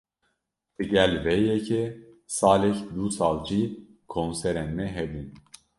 Digel vê yekê, salek du sal jî konserên me hebûn